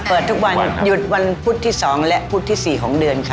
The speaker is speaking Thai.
เปิดทุกวันหยุดวันพุธที่๒และพุธที่๔ของเดือนค่ะ